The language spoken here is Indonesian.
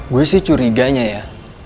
gue sih curiganya ya